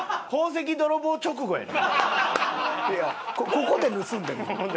ここで盗んでるの？